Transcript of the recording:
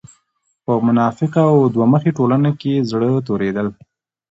په منافقه او دوه مخې ټولنه کې زړۀ توريدل